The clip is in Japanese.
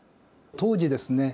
当時ですね